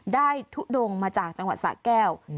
ได้ทุดงมาจากจังหวัดสระแก้วอืม